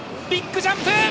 ビッグジャンプ！